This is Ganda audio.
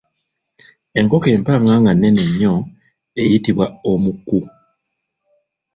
Enkoko empanga nga nnene nnyo eyitibwa Omukku.